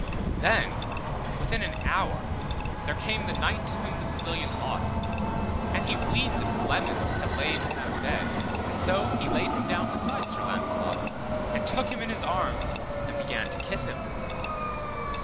Then within an hour there came the knight to whom the pavilion ought, and he weened that his leman had lain in that bed, and so he laid him down beside Sir Launcelot, and took him in his arms and began to kiss him.